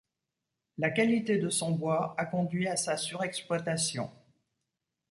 La qualité de son bois a conduit à sa surexploitation.